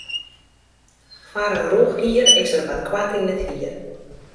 Foar in rûchhier is er wat koart yn it hier.